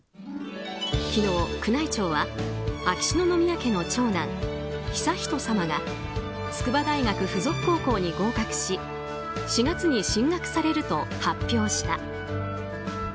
昨日、宮内庁は秋篠宮家の長男・悠仁さまが筑波大学附属高校に合格し４月に進学されると発表した。